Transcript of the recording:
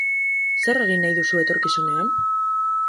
Zer egin nahi duzu etorkizunean?